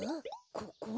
ここは？